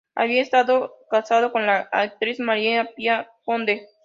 Había estado casado con la actriz Maria Pia Conte.